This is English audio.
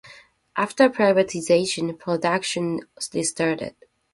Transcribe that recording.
After privatisation, production restarted.